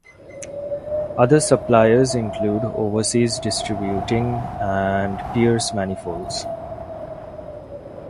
Other suppliers include Overseas Distributing and Pierce Manifolds.